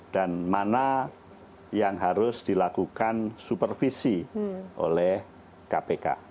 dan mana yang harus dilakukan supervisi oleh kpk